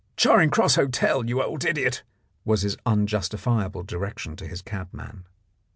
"Charing Cross Hotel, you old idiot!" was his unjustifiable direction to his cabman.